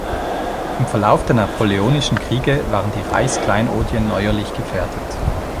Im Verlauf der napoleonischen Kriege waren die Reichskleinodien neuerlich gefährdet.